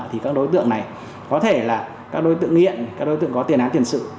thì các đối tượng này có thể là các đối tượng nghiện các đối tượng có tiền án tiền sự